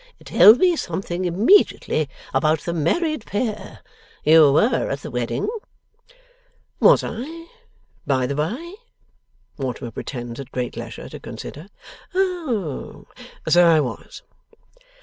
Tell me something, immediately, about the married pair. You were at the wedding.' 'Was I, by the by?' Mortimer pretends, at great leisure, to consider. 'So I was!